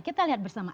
kita lihat bersama